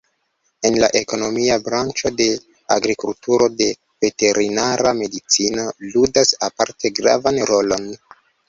En la ekonomia branĉo de agrikulturo la veterinara medicino ludas aparte gravan rolon.